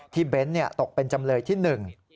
เบ้นตกเป็นจำเลยที่หนึ่ง